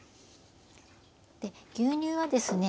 牛乳はですね